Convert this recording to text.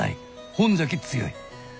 ほんじゃき強い。